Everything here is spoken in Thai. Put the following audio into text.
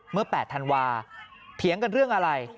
เมื่อ๘ธันวาเถียงกันเรื่องอะไร